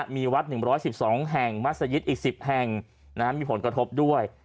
มีวัด๑๑๒แห่งมัศยิตอีก๑๐แห่งมีผลกระทบด้วย